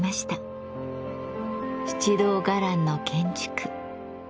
七堂伽藍の建築。